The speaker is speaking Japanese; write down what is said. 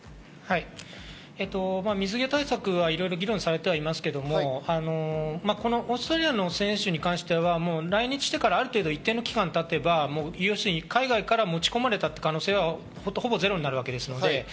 水際対策はいろいろ議論されてはいますけど、オーストラリアの選手に関しては、来日してから、ある程度、一定の期間がたてば海外から持ち込まれたという可能性はほぼゼロになるわけです。